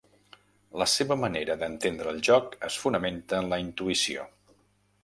La seva manera d'entendre el joc es fonamenta en la intuïció.